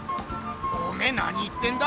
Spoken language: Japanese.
おめえ何言ってんだ？